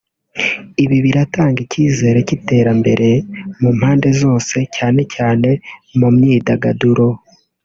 ibi biratanga icyizere cy’iterambere mu mpande zose cyane cyane mu myidagaduro